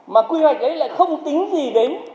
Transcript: mà quy hoạch ấy lại không tính gì đến quyền của người ta